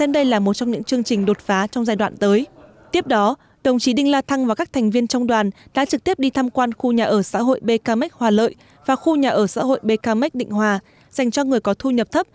đây là một trong hai lễ hội đua ngựa truyền thống còn lưu truyền đến ngày nay ở việt nam